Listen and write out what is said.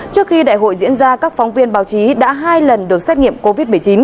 trước khi đại hội diễn ra các phóng viên báo chí đã hai lần được xét nghiệm covid một mươi chín